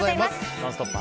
「ノンストップ！」